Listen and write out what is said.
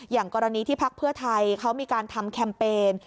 อย่างกรณีที่พักเพื่อไทยเขามีการทำแคมเปญ